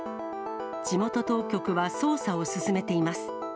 地元当局は、捜査を進めています。